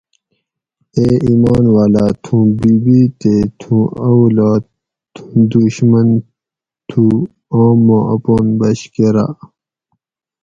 اے ایمان واۤلاۤ تھوں بی بی تے تھوں اولاد تھُوں دشمن تھو آم ما اپان بچ کۤراۤ